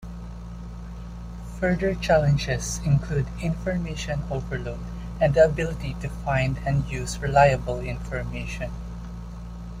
Further challenges include information overload and the ability to find and use reliable information.